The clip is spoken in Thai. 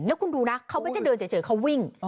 แล้วคุณดูนะเขาไม่เจ็ดเจ๋อเจ๋อเขาวิ่ง